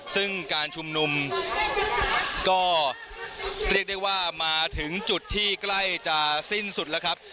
ซึ่งการชุมนุมก็เรียกได้ว่ามาถึงจุดที่ใกล้จะสิ้นสุดแล้วครับ